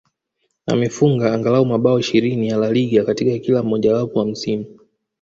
Amefunga angalau mabao ishirini ya La Liga katika kila mmojawapo wa misimu